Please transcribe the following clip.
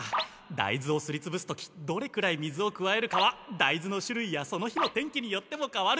だいずをすりつぶす時どれくらい水をくわえるかはだいずのしゅるいやその日の天気によってもかわる。